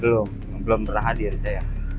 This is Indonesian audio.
belum belum pernah hadir saya